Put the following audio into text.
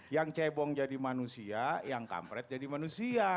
yang cebong jadi manusia yang kampret jadi manusia